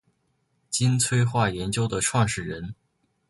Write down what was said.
金催化研究的创始人。